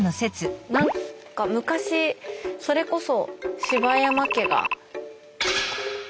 何か昔それこそ柴山家が戦いに来て。